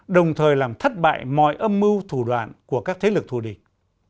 đồng thời làm thất bại mọi âm mưu thủ đoạn của các thế lực thù địch